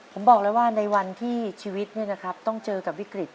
ค่ะผมบอกเลยว่าในวันที่ชีวิตเนี่ยนะครับต้องเจอกับวิกฤต